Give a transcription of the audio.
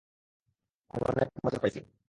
আমি অনেক মজা পাইছি।